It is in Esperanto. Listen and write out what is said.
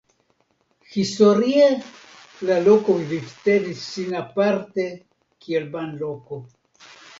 Historie la loko vivtenis sin aparte kiel banloko.